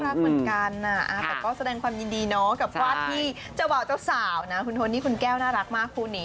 รักเหมือนกันนะแต่ก็แสดงความยินดีเนาะกับวาดที่เจ้าบ่าวเจ้าสาวนะคุณโทนี่คุณแก้วน่ารักมากคู่นี้